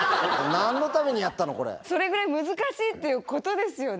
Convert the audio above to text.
それぐらい難しいっていうことですよね？